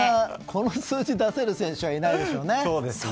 この数字出せる選手はいないでしょうね。